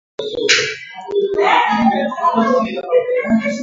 Japokuwa hakukuwa na mfumo maalumu wa mahojiano na wanamuziki ndani ya Radio